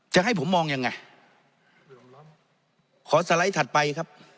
จะให้ผมมองยังไงขอสไลด์ถัดไปครับ